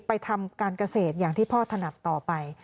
ทำการเกษตรอย่างที่พ่อถนัดต่อไป